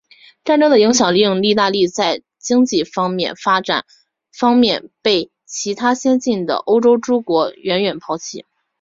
战争的影响令意大利在经济发展方面被其他先进的欧洲诸国远远抛离。